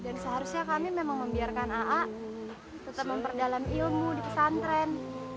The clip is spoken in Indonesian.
dan seharusnya kami memang membiarkan aa tetap memperdalam ilmu di pesantren